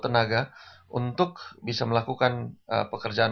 tenaga untuk bisa melakukan pekerjaan